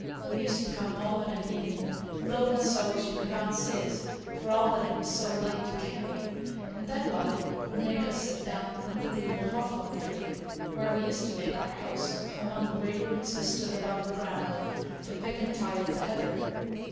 We used to come home of an evening loaded so as you could not see us, for all that it was so light to carry. And then mother would make us sit down under the old hawthorn tree (where we used to make our house among the great roots as stood above th' ground), to pick and tie up the heather.